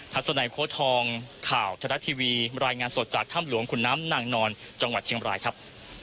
สนัยโค้ดทองข่าวทรัฐทีวีรายงานสดจากถ้ำหลวงขุนน้ำนางนอนจังหวัดเชียงบรายครับ